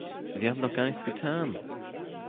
Wir haben doch gar nichts getan.